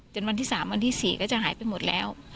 จนวันที่สามวันที่สี่ก็จะหายไปหมดแล้ว